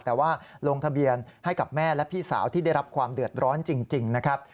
แต่ว่าลงทะเบียนให้กับแม่และพี่สาวที่ได้รับความเดือดร้อนจริงนะครับ